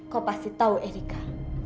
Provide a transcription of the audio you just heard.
kau pasti tahu erika